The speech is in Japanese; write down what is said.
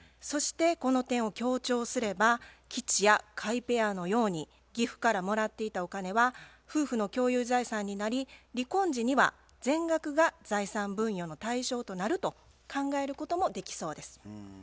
そしてこの点を強調すれば吉弥・甲斐ペアのように義父からもらっていたお金は夫婦の共有財産になり離婚時には全額が財産分与の対象となると考えることもできそうです。